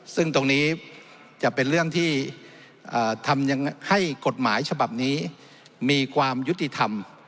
ซึ่งตรงนี้จะเป็นเรื่องที่ทำให้กฎหมายฉบับนี้มีความยุติธรรม